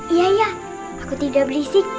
iya iya aku tidak berisik